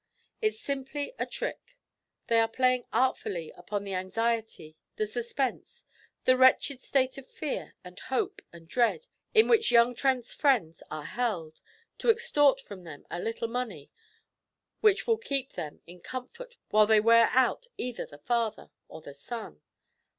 It's simply a trick. They are playing artfully upon the anxiety, the suspense, the wretched state of fear and hope and dread in which young Trent's friends are held, to extort from them a little money, which will keep them in comfort while they wear out either the father or the son.'